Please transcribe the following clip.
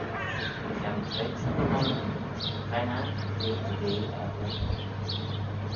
Mychione credjue ny lomarcan, cre'n aght t'eh dy ve er ny hoiggal?